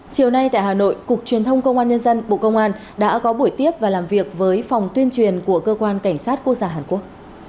chiều nay tại hà nội cục truyền thông công an nhân dân bộ công an đã có buổi tiếp và làm việc với phòng tuyên truyền của cơ quan cảnh sát quốc gia hàn quốc